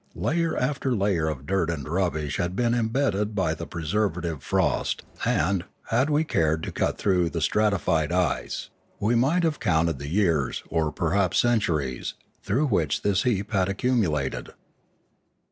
Layer after layer of dirt and rubbish had been embedded by the preservative frost; and, had we cared to cut through A Warning 645 the stratified ice, we might have counted the years, or perhaps centuries, through which this heap had ac cumulated.